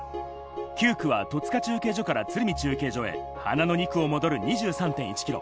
９区は戸塚中継所から鶴見中継所へ、花の２区を戻る２３．１ｋｍ。